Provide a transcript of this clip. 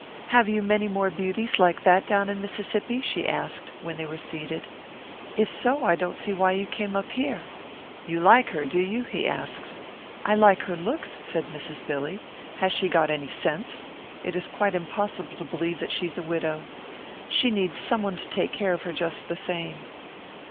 "Have you many more beauties like that down in Mississippi?" she asked, when they were seated. "If so, I don't see why you came up here." "You like her, do you?" he asked. "I like her looks," said Mrs. Billy. "Has she got any sense? It is quite impossible to believe that she's a widow. She needs someone to take care of her just the same."